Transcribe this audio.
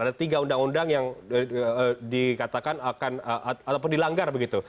ada tiga undang undang yang dikatakan akan dilanggar